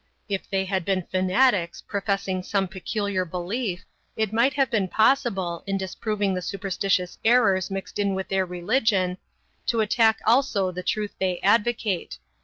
If they had been fanatics, professing some peculiar belief, it might have been possible, in disproving the superstitious errors mixed in with their religion, to attack also the truth they advocate.